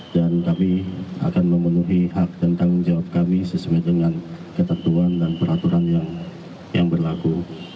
dan kami akan memenuhi hak dan tanggung jawab kami sesuai dengan ketentuan dan peraturan yang berlaku